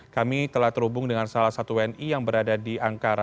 kami telah terhubung dengan salah satu wni yang berada di ankara